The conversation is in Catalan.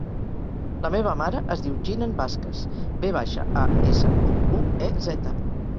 La meva mare es diu Jinan Vasquez: ve baixa, a, essa, cu, u, e, zeta.